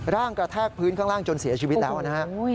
กระแทกพื้นข้างล่างจนเสียชีวิตแล้วนะฮะ